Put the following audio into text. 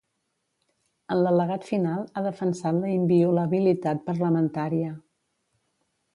En l’al·legat final, ha defensat la inviolabilitat parlamentària.